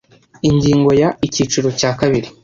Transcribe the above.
Ingingo ya Icyiciro cya kabiri